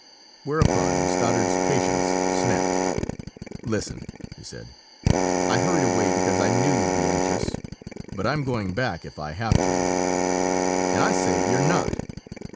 Whereupon Stoddard's patience snapped. "Listen!" he said. "I hurried away because I knew you'd be anxious, but I'm going back, if I have to " "And I say you're not!"